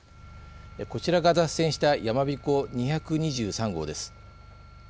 こちらが脱線したやまびこ２２３号です。